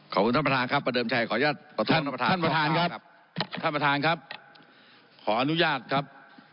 ขอบคุณท่านประธานครับประเดิมชัยขออนุญาตขออนุญาตครับ